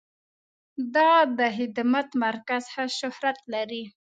دا د خدمت مرکز ښه شهرت لري.